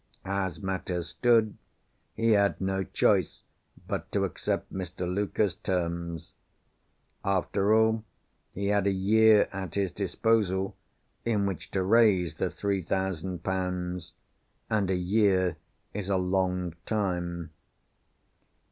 As matters stood, he had no choice but to accept Mr. Luker's terms. After all, he had a year at his disposal, in which to raise the three thousand pounds—and a year is a long time.